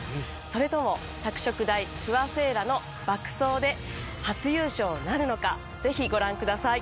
それとも拓殖大不破聖衣来の爆走で初優勝なるのかぜひご覧ください。